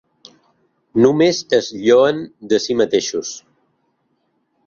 Només es lloen de si mateixos.